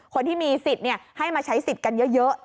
คนที่มีสิทธิ์ให้มาใช้สิทธิ์กันเยอะ